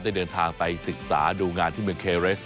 ได้เดินทางไปศึกษาดูงานที่เมืองเคเรส